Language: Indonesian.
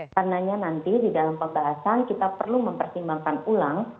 karena nanti di dalam pembahasan kita perlu mempersimbangkan ulang